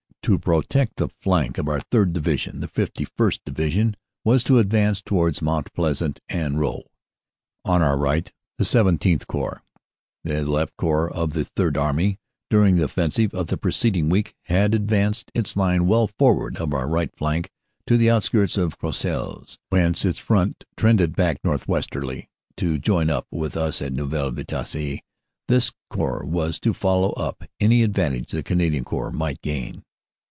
To protect the flank of our 3rd. Division the 51st. Division was to advance towards Mount Pleasant and Roeux. On our right the XVII Corps, the left Corps of the Third Army, during the offensive of the preceding week had ad vanced its line well forward of our right flank to the outskirts of Croisilles, whence its front trended back northwesterly to join up with us at Neuville Vitasse. This Corps was to follow up any advantage the Canadian Corps might gain.